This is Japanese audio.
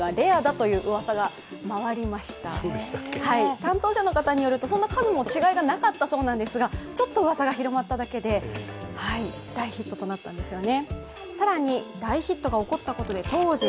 担当者の方によるとそんな数の違いはなかったようなんですがちょっとうわさが広まっただけで大ヒットとなったんですよね。